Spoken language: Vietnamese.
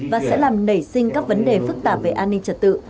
và sẽ làm nảy sinh các vấn đề phức tạp về an ninh trật tự